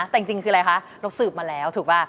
แต่จริงคืออะไรคะเราสืบมาแล้วถูกป่ะ